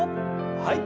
はい。